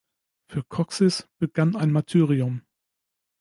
Für Kocsis begann ein Martyrium.